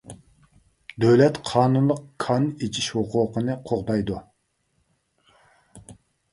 دۆلەت قانۇنلۇق كان ئېچىش ھوقۇقىنى قوغدايدۇ.